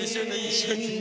一緒に。